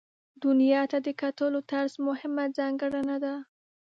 دنیا ته د کتلو طرز مهمه ځانګړنه ده.